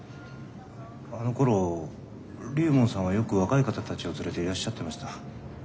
あのころ龍門さんはよく若い方たちを連れていらっしゃってました。